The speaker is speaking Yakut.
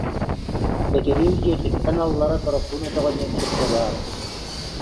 Кэтириис дьиэтиттэн аллара Торопуун өтөҕө диэн сиргэ баар